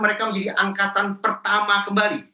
mereka menjadi angkatan pertama kembali